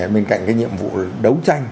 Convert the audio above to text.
bên cạnh cái nhiệm vụ đấu tranh